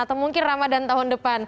atau mungkin ramadan tahun depan